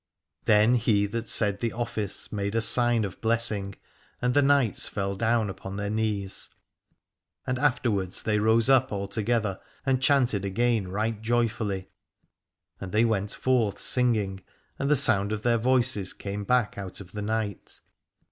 Then he that said the office made a sign of blessing, and the knights fell down upon their knees. And afterwards they rose up altogether and chanted again right joyfully, and they went forth singing, and the sound of their voices came back out of the night.